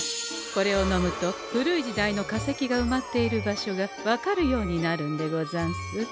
これを飲むと古い時代の化石がうまっている場所が分かるようになるんでござんす。